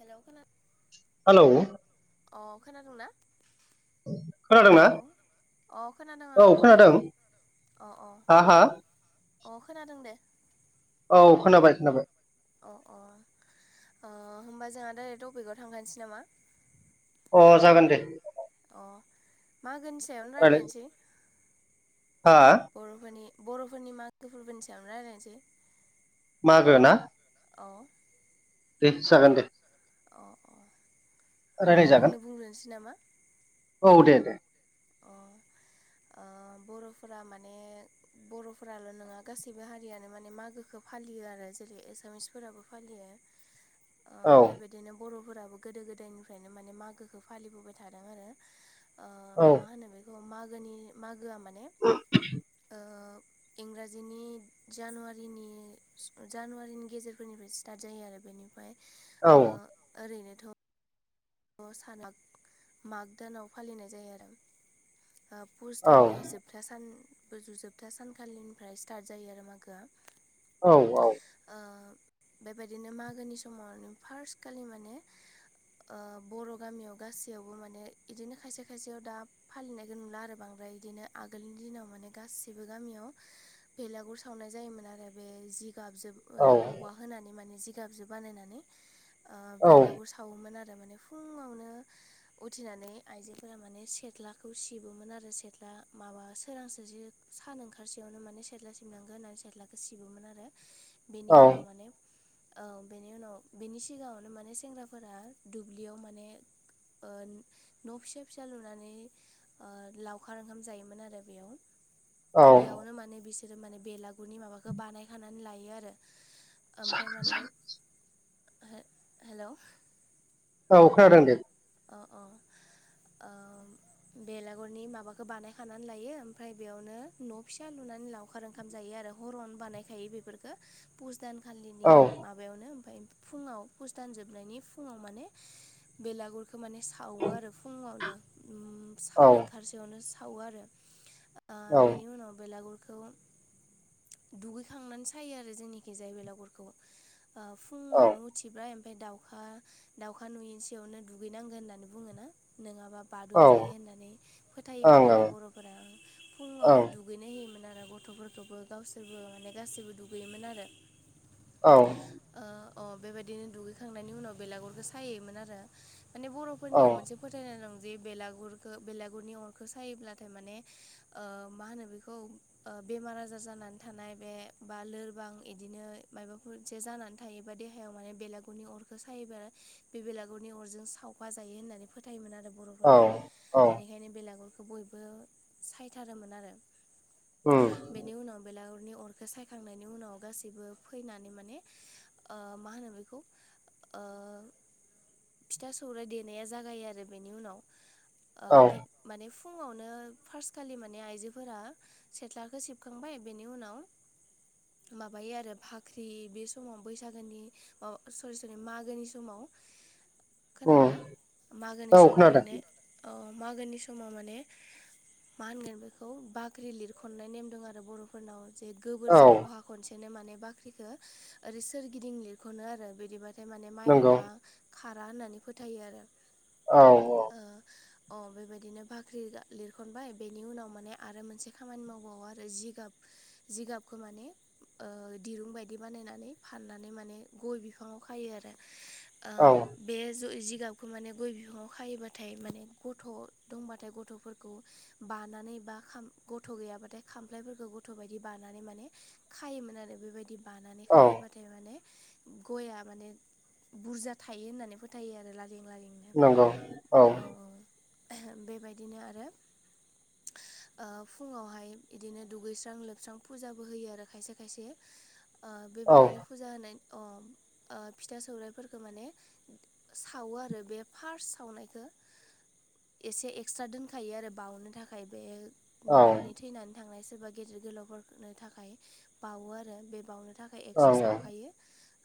Hello खोना hello अ खोनादोंना? खोनादोंना हेलौ अ खोनादों औ आं। नोंलाय? खोनादों अ अ हा हा अ खोनादों दे। औ खोनाबाय खोनाबाय। अ अ ओ होमबा जोंहा डाइरेक टपिकआव थांखानसै नामा? अ जागोन दे। अ मागोनि सायावनो रायलाय रायलायनसै। हा बर'फोरनि बर'फोरनि मागो फोरबोनि सायावनो रायलायनसै। मागो ना? औ दे जागोन दे। अ अ होनबा आंनो रायलायजागोन बुंग्रोनसै नामा? औ दे दे। अ ओ बर'फोरा माने बर'फोराल' नोङा गासैबो हारियानो माने मागोखौ फालियो आरो जेरै एसामिसफोराबो फालियो। आ औ बेबायद दिनो बर'फोराबो गोदो गोदायनिफ्रायनो माने मागोखो फालिबोबाय थादों आरो। ओ मा होनो बेखौ मागोनि मागोआ माने ओ इंराजिनि जानुवारिनि जानुवारिनि गेजेरफोरनिफ्राय स्टार्ट जायो आरो बेनिफाय औ ओ ओरैनोथ' अ सानाग माग दानाव फालिनाय जायो आरो। ओ पुस औ दाननि जोबथा सान गोजौ जोबथा सानखालिनिफ्राय स्टार्ट जायो आरो मागोआ। औ औ। ओ बेबायदिनो मागोनि समाव आरनो फार्स्ट खालि माने ओ बर' गामियाव गासैयावबो माने इदिनो खायसे खायसेयाव दा फालिनायखो नुला आरो बांद्राय इदिनो आगोलनि दिनाव माने गासिबो गामियाव भेलागुर सावनाय जायोमोन आरो बे जि गाबजोब ओ औवा होनानै माने जिगाबजो बानायनानै ओ औ बेलागुर सावोमोन आ दा माने फुङावनो उथिनानै आइजोफोरा माने सेथ्लाखौ सिबोमोन आरो सेथ्ला माबा सोरांसो जि सान ओंखारसेयावनो माने सेथ्ला सिबनांगो होननानै सेथ्लाखो सिबोमोन आरो। बेनि उनाव औ माने औ बेनि उनाव बेनि सिगाङावनो माने सेंग्राफोरा दुब्लियाव माने ओ न' फिसा फिसा लुनानै ओ लावखार ओंखाम जायोमोन आरो बेयाव। औ बियावनो माने बिसोरो माने बेलागुरनि माबाखो बानायखानानै लायो आरो। ओमफ्राय माने हो हेलौ। औ खोनादों दे। अ अ ओम बेलागुरनि माबाखो बानायखानानै लायो ओमफ्राय बेयावनो न' फिसा लुनानै लाव खार ओंखाम जायो आरो हरावनो बानायखायो बेफोरफोरखो पुस दानखालिनि औ माबायावनो ओमफाय फुङाव फुस दान जोबनायनि फुङाव माने बेलागुर खो माने सावो आरो फुङावनो उम औ सान ओंखारसेयावनो सावो आरो। ओ औ बेनि उनाव बेलागुरखौ दुगैखांनानै सायो आरो जोंनिखिजाय बेलागुरखौ ओ औ ओं फुङावनो उथिबाय ओमफफ्राय दाउखा दाउखा नुयैसेयावनो दुगैनांगो होननानै बुङोना नङाबा बादुवा जायो होननानै ओं फोथायोमोन औ आरो बर'फोरा आं फुङावनो औ दु दुगैनो होयोमोन आरो गथ'फोरखौबो गावसोरबो माने गासैबो दुगैयोमोन आरो। औ ओ अ बेबायदिनो दुगैखांनायनि उनाव बेलागुरखौ सायोमोन आरो। माने बर'फोरनियाव मोनसे फोथायनाय दं जे बेलागुरखौ बेलागुरनि अरखौ सायोब्लाथाय माने ओ मा होनो बेखौ ओ बेमार आजार जानानै थानाय बे बा लोरबां बिदिनो मायबाफोर मोनसे जानानै थायोबा देहायाव माने बेलागुरनि अरखौ सायोबा बेला गुरनि अरजों सावफा जायो होननानै फोथायोमोन आरो औ बर'फोरा बेनिखायनो बेलागुरखौ खौ बयबो सायथारोमोन आरो। उम बेनि उनाव बेलागुरनि अरखौ सायखांनायनि उनाव गासैबो फैनानै माने ओ मा होनो बेखौ ओ फिथा सौराइ देनाया जागायो आरो बेनि उनाव ओ औ गि माने फुङावनो फार्स्टखालि माने आइजोफोरा सेथ्लाखौ सिबखांबाय बेनि उनाव माबायो आरो भाख्रि बे समाव बैसागोनि माबा सरि सरि मागोनि समाव उम खोनादोंना मागोनि औ समाव खोनादों माने ओ मागोनि समाव माने मा होनगोन बेखौ बाख्रि लिरखननाय नेम दों आरो बर'फोरनाव जे औ गोबोरजों उहा खनसेनो माने बाख्रिख ओरै सोरगिदिं लिरख'नो आरो बिदिबा माने नंगौ माइनावआ खारा होननानै फोथायो आरो। औ औ ओ अ बेबायदिनो बाख्रि लिरखनबाय बेनि उनाव माने आरो मोनसे खामानि मावबावो आरो जिगाब जिगाबखौ माने ओ दिरुं बायदि बानायनानै फाननानै माने गय बिफाङाव खायो आरो। ओ औ बे जिगाबखौ माने गय बिफाङाव खायोबाथाय माने गथ' दंबाथाय गथ'फोरखौ बानानै बा खाम गथ' गैयाबाथाय खामफ्लायफोरखौ गथ' बायदि बानानै माने खायोमोन आरो बेबायदि बानानै औ खायोबाथाय माने गया माने बुरजा था- थायो होननानै फोथायो आरो लारिं लारिंनो औ औ बेबायदिनो आरो ओ फुङावहाय इदिनो दुगैस्रां लोबस्रां फुजाबो होयो आरो खायसे खायसे। ओ औ बेबायदिनो फुजा होनाय अ ओ फिथा सौरायाइफोरखो माने सावो आरो बे फार्स्ट सावनायखो एसे एक्सट्रा दोनखायो आरो बावनो थाखाय बे औ ओं न'खरनि थैनानै थांनाय सोरबा गेदेर गोलावफोरनो थाखाय बावो आरो बे बावनो थाखाय एक्स्रा ओं सावखायो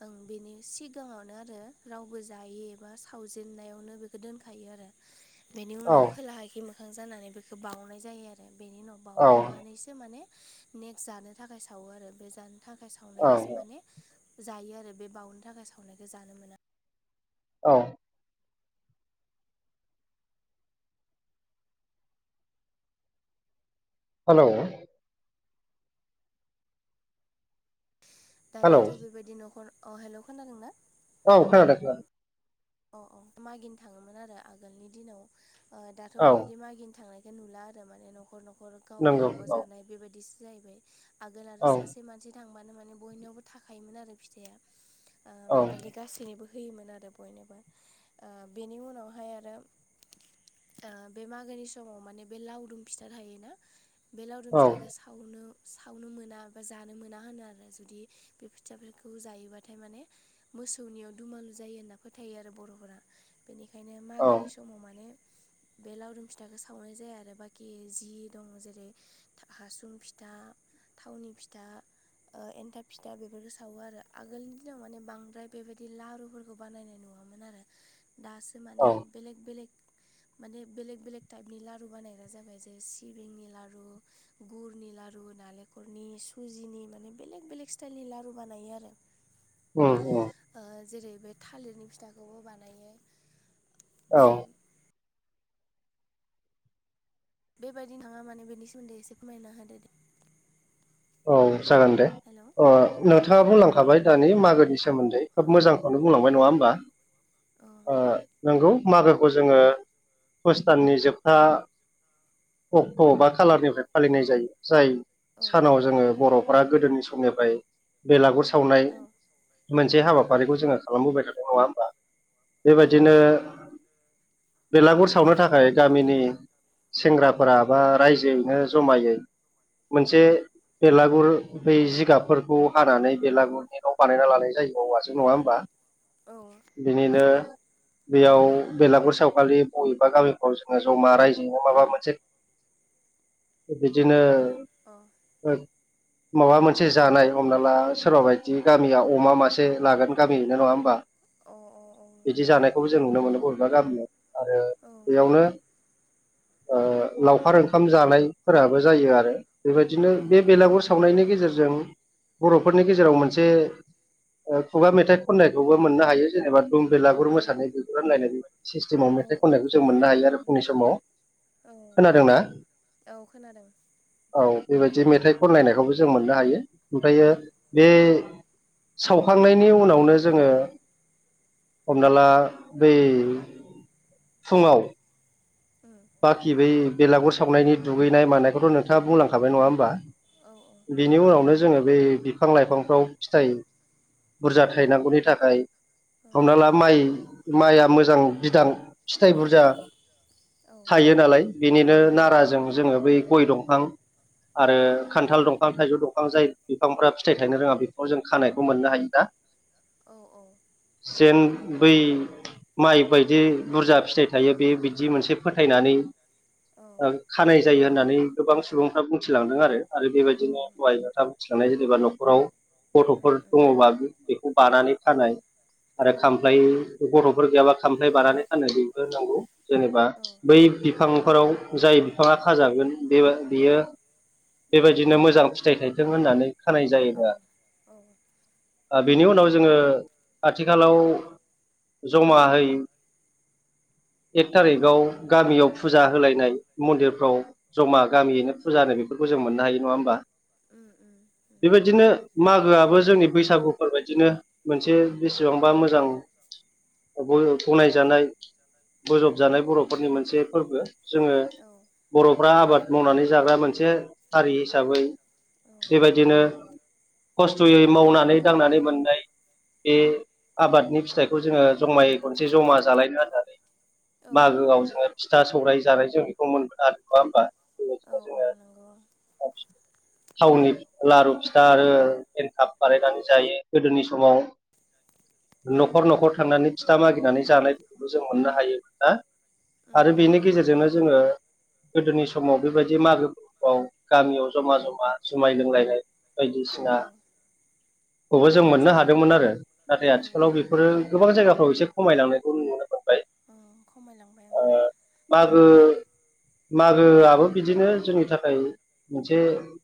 ओं बेनि सिगाङावनो आरो रावबो जायि एबा सावजेननायावनो बेखौ दोनखायो आरो बेनि औ उनाव खोलाहाखै मो- खां जानानै बेखौ बाउनाय जायो आरो बेनि उनाव औ बाउखांनानैसो माने नेक्स्ट जानो थाखाय सावो आरो बे जानो थाखाय ओं सावनायखोसो माने जायो आरो बे बावनो थाखाय सावनायखो जानो मोना। औ हेलौ हेलौ दानियाथ' बेबायदि न'खर अ हेलौ खोनादों ना? औ खेनादों खोनादों। अ अ मागिनो थाङोमोन आरो आगोलनि दिनाव ओ दाथ' औ बेबायदि मागिनो थांनाय बे नुला आरो माने न'खर न'खर गाव नंगौ गावबाागाव औ जानाय बेबायदिसो जाहैबाय। आगोल आरो औ सासे मानसि थांबानो माने बयनियावबो थाखायोमोन आरो फिथाया ओ औ बेबायदि गासैनोबो होयोमोन आरो बयनोबो ओ बेनि उनावहाय आरो ओ बे मागोनि समाव माने बे लावदुम फिथा थायोना बे लावदुम औ फिथाखो सा- सावनो सावनो मोना बा जानो मोना होनो आरोना जुदि बे फोथाफोरखौ जायोबाथाय माने मोसौनियाव दुमालु जायो होनना फोथायो आरो। बर'फोरा बेनिखायनो औ मागोनि समाव माने बे लावदुम फिथाखो सावनाय जाया आरो बाखि जि दं जेरै हासुं फिथा थावनि फिथा ओ एन्थाब फिथा बेफोरखौ सावो आरो आगोलनि दिनाव माने बांद्राय बेबायदि लारुफोरखौ बानायनाय नुवा- मोन आरो दासो औ माने बेलेक बेलेक माने बेलेग बेलेग टाइपनि लारु बानायग्रा जाबाय जे सिबिंनि लारु गुरनि लारु नालेंखरनि सुजिनि माने बेलेग बेलेग स्टाइलनि लारु बानायो आरो। [inaudible] उम उम ओ जेरै बे थालिरनि फिथाखौबो बानायो। औ बेबायदिनो थाङा माने बेनि सोमोन्दै एसे फोरमायना होदो। औ जागोन दे हेलौ अ औ ओ औ नोंथाङा बुंलांखाबाय दानि मागोनि सोमोन्दै खोब मोजांखौनो बुंलांबाय नङा होमबा? अ नोंगौ मागोखौ जोङो पुस दाननि जोबथा अक्ट' बा खालारनिफ्राय फालिनाय जायो जाय औ सानाव औ जोङो बर'फोरा गोदोनि समनिफ्राय बेलागुर सावनाय मोनसे हाबाफारिखौ जोङो खालामबोबाय थादों नङा होमबा औ बेबायदिनो बेलागुर सावनो थाखाय गामिनि सेंग्राफोरा बा रायजोयैनो जमायै औ मोनसे बेलागुर बै जिगाबफोरखौ हानानै बेलागुर नेटआव बानायना लानाय जायोब औवाजों नङा होनोमबा? औ बिनिनो उम बेयाव बेलागुर सावखाालि बबेबा गामिफ्राव जोङो जमा रायजोयैनो माबा मोनसे [inaudible] बिदिनो हेल' अ अ औ माबा मोनसे जानाय हमना ला सोरबा बायदि गामिया अमा मासे लागोन गामियैनो नङा होमबा? अ अ अ बिदि जानायखौबो जों नुनो मोनो बबेबा गामियाव आरो उम बेयावनो लावखार ओंखाम जानायफोराबो जायो आरो बेबायदिनो बे बेलागुर फो सावनायनि गेजेरजों बर'फोरनि गेजेराव मोनसे खुगा मेथाइ खननायखौबो मोननो हायो जेनेबा दुम बेलागुर औ मोसानाय बेफोर नायनानै सिस्टेमाव औ मेथाइ औ खननायखौ जों मोननो खोनादों हायो आरो फुंनि समाव। औ खोनादोंना औ खोनादों औ बेबायदि मेथाइ खनलनायखौबो जों मोननो हायो ओमफ्रायो उम बे सावखांनायनि उनावनो जोङो हमना ला बै फुङाव [inaudible] बाखि बै बेलागुर सावनायनि दुगैनाय मानायखौथ' नोंथाङा बुंलांखाबाय नङा होमबा? औ औ बिनि उनावनो जोङो बे बिफां लाइफांफ्राव फिथाइ बुरजा थायनांगौनि थाखाय औ हमना ला माइ माइआ मोजां बिदां फिथाइ बुरजा औ थायो नालाय बेनिनो औ नाराजों जोङो बै गय दंफां आरो खान्थाल दंफां थाइजौ दंफां जाय बिफांफ्रा फिथाइ थायनो रोङा बेफोराव जों खानायखौ मोननो हायो ना औ औ उम औ जेन बै माइ बायदि बुरजा फिथाइ थायो बे बिदि मोनसे फोथायनानै ओं खानाय जायो होननानै गोबां सुबुंफ्रा बुंथिलांदों आरो आरो बेबायदिनो लवाय थाम फिखांनाय जेनेबा न'खराव गथ'फोर दङबा बेखौ बानानै खानाय आरो खामफ्लाय गथ'फोर गैयाबा खामफ्लाय बानानै फाननाय बेबो नांगौ जेनेबा बै बिफांफोराव जाय बिफाङा खाजागोन बे बियो बेबायदिनो मोजां फिथाइ थायथों होननानै खानाय जायोना ओ बेनि उनाव जोङो आथिखालाव जमा हैै [inaudible] एक उम थारिखाव उम गामियाव फुजा होलायनाय मन्दिरफ्राव जमा गामियैनो फुजानो बेफोरखौ जों मोननो हायो नङा होमबा? उम उम। बेबायदिनो मागोआबो जोंनि बैसागुफोर बायदिनो मोनसे बेसेबांबा मोजां बुंनाय जानाय बोजबजानाय बर'फोरनि मोनसे फोरबो जोङो। बर'फ्रा आबाद मावनानै जाग्रा मोनसे हारि हिसाबै। औ बेबायदिनो खस्थ'यै मावनानै दांनानै मोननाय बे आबादनि फिथाइखौ जोङो जमायै खनसे जमा जालायनो होननानै औ औ मागोआव जोङो फिथा सौराय जानाय जों बेखौ मोनगोन आरो नङा होमबा? बेबायदिनो औ औ जोङो नंगौ। थावनि लारु फिथा आरो एनकाप बानायनानै जायो गोदोनि समाव न'खर न'खर थांनानै फिथा मागिनानै जानायफोरखौबो जों मोननो हायोमोन ना। उम आरो उम बेनि गेजेरजोंनो जोङो। गोदोनि समाव बेबायदि मागोआव गामियाव जमा जमा जुमाय लोंलायनाय। औ बायदिसिनाखौबो औ जों मोननो जायो हादोंमोन आरो नाथाय औ आथिखालाव बे गोबां जायगाफ्राव एसे खमायलांनायखौ नुनो मोनबाय खमायलांबाय औ। ओ मागो मागोआबो बिदिनो जोंनि थाखाय मोनसे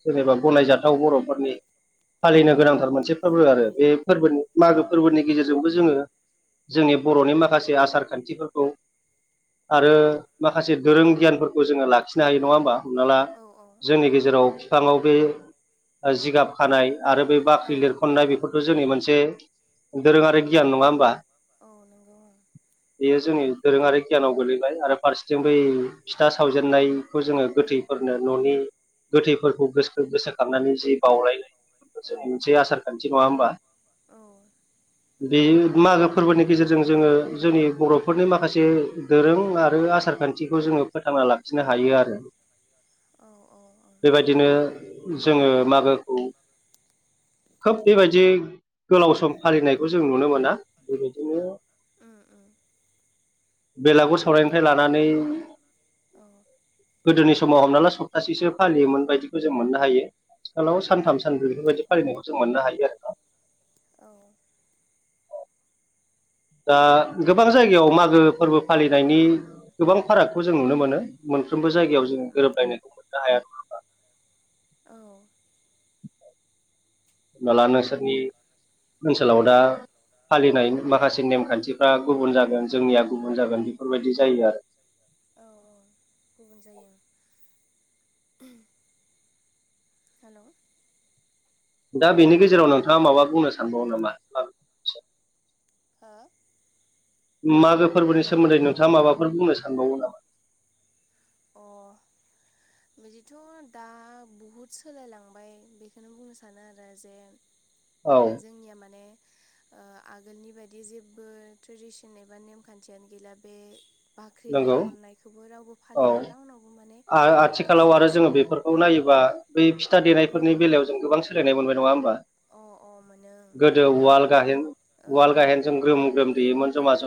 जेनेबा गनायजाथाव बर'फोरनि आं फालिनो गोनांथार मोनसे फोरबो आरो बे फोरबो औ मागो फोरबोनि गेजेरजों। जोंबो जोङो जोंनि बर'नि माखासे आसार खान्थिफोरखौ। औ आरो माखासे दोरों गियानफोरखौ जोङो लाखिनो हायो नङा होमबा? हमना ला औ जोंनि औ गेजेराव बिफाङाव बे जिगाब खानाय आरो बे। औ बाख्रि लिरख'नाय बेफोरथ' जोंनि मोनसे दोरोङारि गियान नङा होमबा? औ नंगौ। बेयो जोंनि दोरोङारि गियानाव गोलैबाय आरो औ फारसेथिं बै फिथा सावजेननायखौ जोङो गोथैफोरनो न'नि। गोथैफोरखौ गो गोसोखांनानै जि बावलायनाय औ सै आसार खान्थि नङा होमबा? औ बे उम मागो फोरबोनि गेजेरजों जोङो जोंनि बर'फोरनि माखासे दोरों आरो आसार खान्थिखौ जोङो फोथांना लाखिनो हायो आरो। औ औ औ। बेबायदिनो नंगौ जोङो मागोखौ खोब बेबायदि गोलाव सम फालिनायखौ जों नुनो मोना। बेबायदिनो उम उम बेलागुर सावनायनिफ्राय लानानै औ गोदोनि समाव हमना ला सप्तासेसो फालियोमोन बायदिखौ जों मोननो हायो। आथिखालाव उम सानथाम सानब्रै बेफोरबायदि फालिनायखौ जों मोननो हायो आरोना। औ दा गोबां जायगायाव मागो फोरबो फालिनायनि गोबां फारागखौ जों नुनो मोनो। मोनफ्रोमबो उम जायगायाव जोङो उम गोरोबलायनायखौ मोननो हाया। औ हमना ला नोंसोरनि ओनसोलाव दा फालिनाय माखासे नेमखान्थिफ्रा गुबुन जागोन जोंनिया गुबुन जागोन औ बेफोरबायदि जायो आरो। औ औ गुबुन जायो। हेलौ दा बेनि गेजेराव नोंथाङा माबा बुंनो सानबावो नामा? हो माबे फोरबोनि सोमोन्दै नोंथाङा माबाफोर बुंनो सानबावो नामा? अ बिदिथ' दा बहुद सोलायलांबाय बेखौनो बुंनो सानो आरो जे औ जोंनिया माने आगोलनि बायदि जेबो ट्रेडिसन एबा नेमखान्थियानो गैला। बे बाख्रि नंगौ लिरखननायखौबो रावबो औ फालिला रावनावबो माने खायसे आथिखालाव आरो खायसे जोङो बेफोरखौ अ नायोबा बै फिथा ओं देनायफोरनि बेलायाव जों गोबां सोलायनाय मोनबाय नङा होमबा? अ अ मोनो गोदो दाना उवाल गाहेन उवाल ओं गाहेनजों ग्रोम ग्रोम दैेयोमोन जमा जों